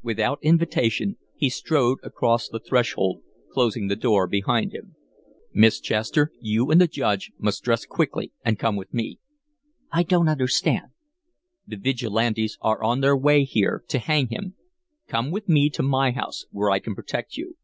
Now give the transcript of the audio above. Without invitation he strode across the threshold, closing the door behind him. "Miss Chester, you and the Judge must dress quickly and come with me." "I don't understand." "The Vigilantes are on their way here to hang him. Come with me to my house where I can protect you."